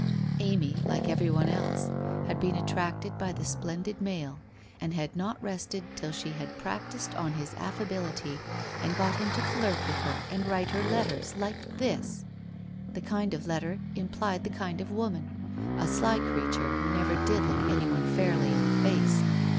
Am)', like everyone else, had been attracted by the splen did male, and had not rested till she had practised on his affability and got him to flirt with her and write her letters like this ! The kind of letter implied the kind of woman. A sly creature, who never did look anyone fairly in the face